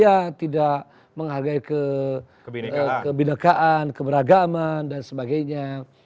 ya tidak menghargai kebinekaan keberagaman dan sebagainya